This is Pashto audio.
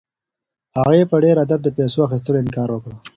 هغې په ډېر ادب د پیسو له اخیستلو انکار وکړ.